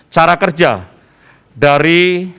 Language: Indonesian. cara kerja dari